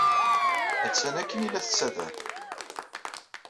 Attan akken ay la d-tettader.